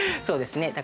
そうですね。